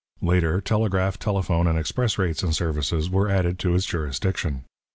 Later, telegraph, telephone, and express rates and services were added to its jurisdiction.